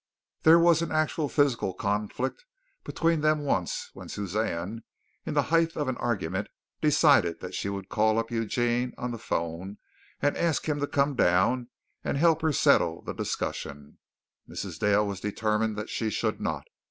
There was an actual physical conflict between them once when Suzanne, in the height of an argument, decided that she would call up Eugene on the phone and ask him to come down and help her settle the discussion. Mrs. Dale was determined that she should not.